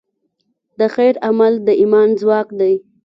د خیر عمل د ایمان ځواک دی.